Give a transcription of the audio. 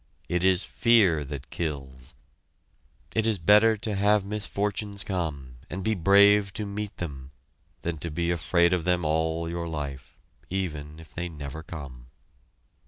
It is fear that kills. It is better to have misfortunes come, and be brave to meet them, than to be afraid of them all your life, even if they never come.